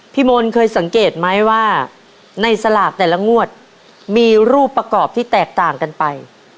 พี่มนต์เคยสังเกตไหมว่าในสลากแต่ละงวดมีรูปประกอบที่แตกต่างกันไป